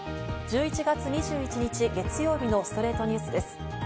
１１月２１日、月曜日の『ストレイトニュース』です。